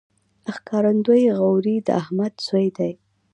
ښکارندوی غوري د احمد زوی دﺉ.